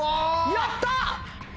やった！